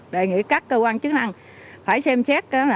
đề nghị các cơ quan chức năng phải xem xét